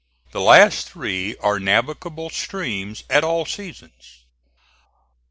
The last three are navigable streams at all seasons.